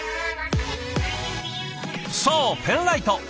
そうペンライト。